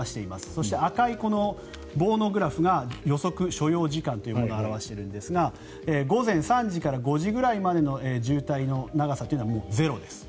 そして赤い棒のグラフが予測所要時間というものを表しているですが午前３時から５時ぐらいまでの渋滞の長さというのはもうゼロです。